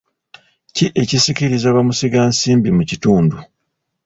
Ki ekisikiriza bamusigansimbi mu kitundu?